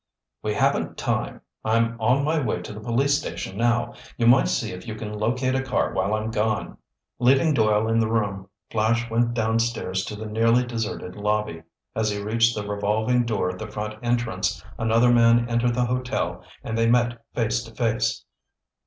"We haven't time. I'm on my way to the police station now. You might see if you can locate a car while I'm gone." Leaving Doyle in the room, Flash went downstairs to the nearly deserted lobby. As he reached the revolving door at the front entrance another man entered the hotel and they met face to face.